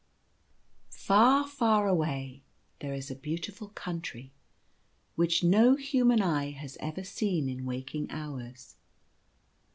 jAR, far away, there is a beautiful Country which no human eye has ever seen in waking hours.